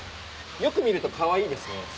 よく見るとかわいいですね。